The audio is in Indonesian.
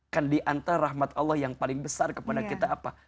kan diantara rahmat allah yang paling besar kepada kita apa